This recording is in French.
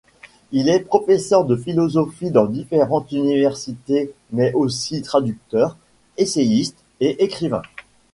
Il est professeur de philosophie dans différentes universités mais aussi traducteur, essayiste et écrivain.